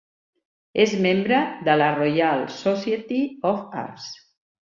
És membre de la Royal Society of Arts.